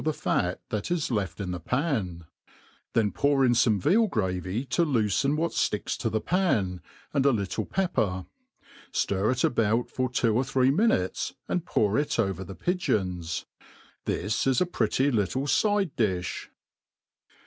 the fat that is left in the pan ; then pour in foipe veal gravy to lopferi what fticks to the pan, and a little pepper \ ftir it about for ^two or three minutes a|id pour, l( over the pigeons. This is a pretty little f|de diib.